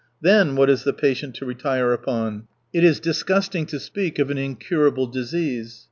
Then what is the patient to retire upon ? It is disgusting to speak of an incurable disease.